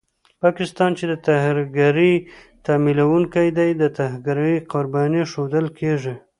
پاکستان چې د ترهګرۍ تمويلوونکی دی، د ترهګرۍ قرباني ښودل کېږي